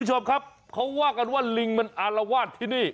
คุณผู้ชมครับเขาว่ากันว่าลิงมันอารวาสที่นี่